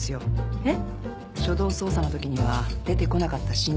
えっ？